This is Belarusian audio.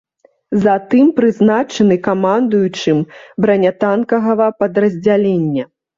Затым прызначаны камандуючым бранятанкавага падраздзялення.